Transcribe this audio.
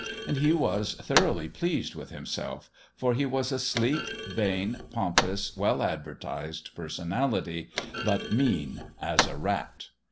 And he was thoroughly pleased with himself, for he was a sleek, vain, pompous, well advertised personality, but mean as a rat.